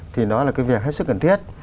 thì đó là cái việc hết sức cần thiết